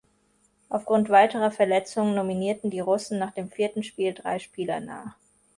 Aufgrund weiterer Verletzungen nominierten die Russen nach dem vierten Spiel drei Spieler nach.